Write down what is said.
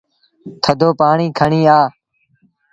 ٿڌو پآڻيٚ کڻي آ۔